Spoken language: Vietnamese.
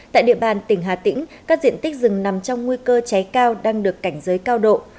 tại địa bàn tỉnh hà tĩnh các diện tích rừng nằm trong nguy cơ cháy cao đang được cảnh giới cao độ